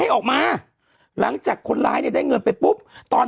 ยังไงยังไงยังไงยังไง